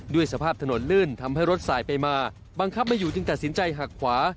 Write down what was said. สภาพถนนลื่นทำให้รถสายไปมาบังคับไม่อยู่จึงตัดสินใจหักขวา